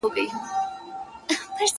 باغ او باغچه به ستا وي.!